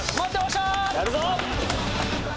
やるぞ！